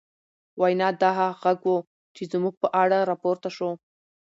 وينا، دا هغه غږ و، چې زموږ په اړه راپورته شو